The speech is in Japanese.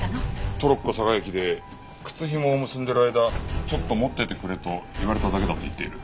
トロッコ嵯峨駅で「靴ひもを結んでる間ちょっと持っててくれ」と言われただけだと言っている。